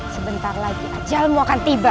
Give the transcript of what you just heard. sebentar lagi ajalmu akan tiba